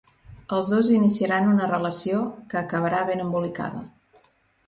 Els dos iniciaran una relació que acabarà ben embolicada.